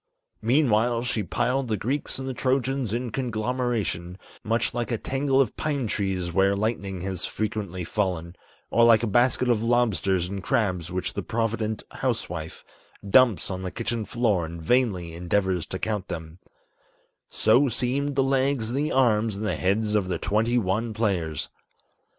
Meanwhile she piled the Greeks and the Trojans in conglomeration, Much like a tangle of pine trees where lightning has frequently fallen, Or like a basket of lobsters and crabs which the provident housewife Dumps on the kitchen floor and vainly endeavors to count them, So seemed the legs and the arms and the heads of the twenty one players.